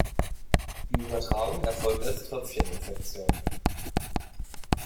Die Übertragung erfolgt als Tröpfcheninfektion.